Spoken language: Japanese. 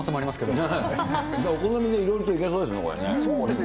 お好みでいろいろといけそうそうですね。